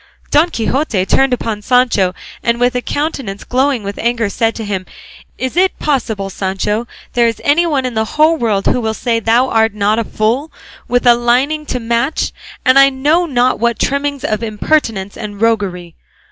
Don Quixote turned upon Sancho, and with a countenance glowing with anger said to him, "Is it possible, Sancho, there is anyone in the whole world who will say thou art not a fool, with a lining to match, and I know not what trimmings of impertinence and roguery?